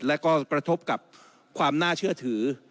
และก็กระทบกับความน่าเชื่อถือ